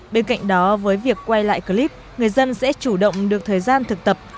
bên cạnh đó với việc quay lại clip người dân sẽ chủ động được thời gian thực tập